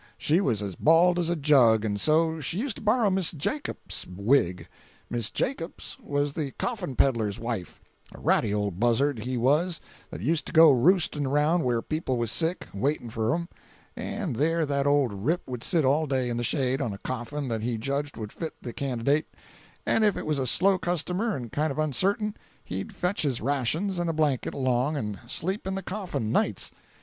She was as bald as a jug, and so she used to borrow Miss Jacops's wig—Miss Jacops was the coffin peddler's wife—a ratty old buzzard, he was, that used to go roosting around where people was sick, waiting for 'em; and there that old rip would sit all day, in the shade, on a coffin that he judged would fit the can'idate; and if it was a slow customer and kind of uncertain, he'd fetch his rations and a blanket along and sleep in the coffin nights.